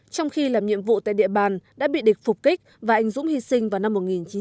trong khi làm nhiệm vụ tại địa bàn đã bị địch phục kích và anh dũng hy sinh vào năm một nghìn chín trăm bảy mươi